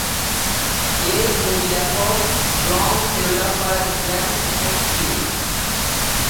এর মূল লেখক গ্নোম ডেভেলপার জেমস হেনস্ট্রিজ।